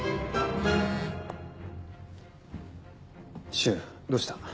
柊どうした？